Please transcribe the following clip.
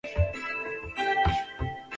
朝贡体系的雏形是古代中国的畿服制度。